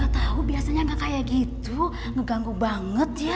gak tau biasanya gak kayak gitu ngeganggu banget ya